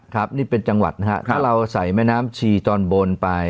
ครับนี่เป็นจังหวัดนะครับถ้าเราใส่แม่น้ำชีตอนบนไป